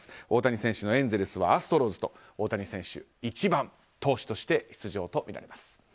大谷選手のエンゼルスはアストロズと大谷選手、１番投手で出場とみられます。